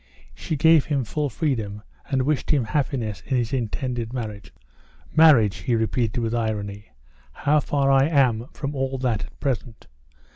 She gave him full freedom, and wished him happiness in his intended marriage. "Marriage!" he repeated with irony. "How far I am from all that at present."